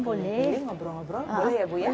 boleh ngobrol ngobrol boleh ya ibu ya